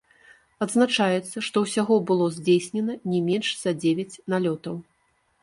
Адзначаецца, што ўсяго было здзейснена не менш за дзевяць налётаў.